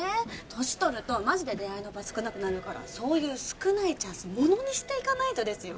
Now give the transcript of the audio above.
年取るとマジで出会いの場少なくなるからそういう少ないチャンスものにしていかないとですよ！